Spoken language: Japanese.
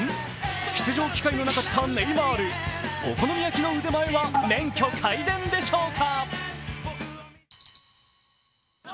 出場機会のなかったネイマールお好み焼きの腕前だけは免許皆伝でしょうか？